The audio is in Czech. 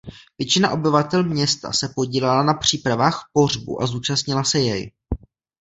Většina obyvatel města se podílela na přípravách pohřbu a zúčastnila se jej.